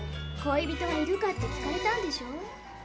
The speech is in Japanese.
「恋人はいるか」って聞かれたんでしょ？